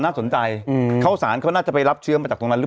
น่าสนใจเข้าสารเขาน่าจะไปรับเชื้อมาจากตรงนั้นหรือเปล่า